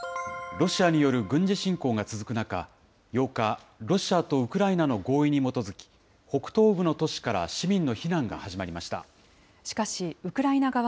ロシアによる軍事侵攻が続く中、８日、ロシアとウクライナの合意に基づき、北東部の都市から市民の避難が始まりました。